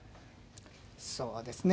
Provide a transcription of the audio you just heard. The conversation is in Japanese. そうですね。